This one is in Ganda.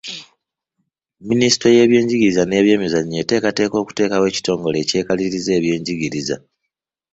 Minisitule y'ebyenjigiriza n'ebyemizannyo eteekateeka okuteekawo ekitongole ekyekaliriza ebyenjigiriza.